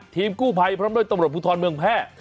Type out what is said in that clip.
ทีมกู้ไพพร้ำโดยตำรวจภูมิฐรมเมืองแพร่